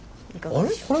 あれ？